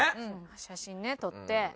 写真ね撮って。